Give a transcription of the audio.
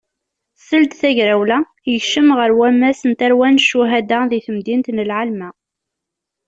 Seld tagrawla, yekcem ɣer wammas n tarwa n ccuhada deg temdint n Lɛelma.